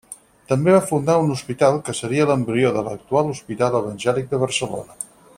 També va fundar un hospital, que seria l'embrió de l'actual Hospital Evangèlic de Barcelona.